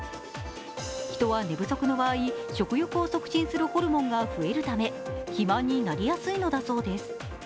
人は寝不足の場合、食欲を促進するホルモンが増えるため、肥満になりやすいのだそうです。